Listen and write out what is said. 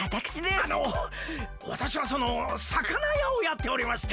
あのわたしはそのさかなやをやっておりまして。